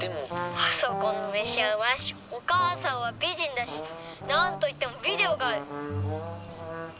あそこの飯はうまいしお母さんは美人だしなんといってもビデオがある！